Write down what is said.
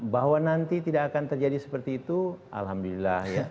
bahwa nanti tidak akan terjadi seperti itu alhamdulillah ya